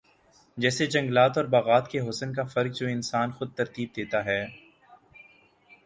جیسے جنگلات اور باغات کے حسن کا فرق جو انسان خود ترتیب دیتا ہے